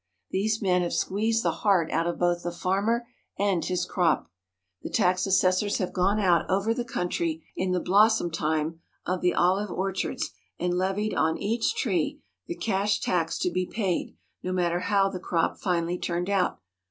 These men have squeezed the heart out of both the farmer and his crop. The tax assessors have gone out over the coun try in the blossom time of the olive orchards and levied on each tree the cash tax to be paid no matter how the crop finally turned out.